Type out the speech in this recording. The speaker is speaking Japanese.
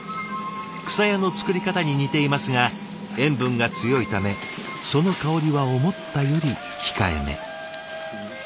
「くさや」の作り方に似ていますが塩分が強いためその香りは思ったより控えめ。